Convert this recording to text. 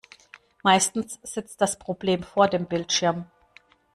Meistens sitzt das Problem vor dem Bildschirm.